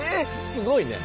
すごいねん。